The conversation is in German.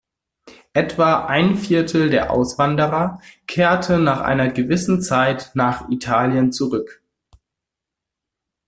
Etwa ein Viertel der Auswanderer kehrte nach einer gewissen Zeit nach Italien zurück.